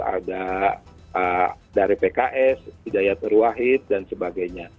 ada dari pks hidayat merwahid dan sebagainya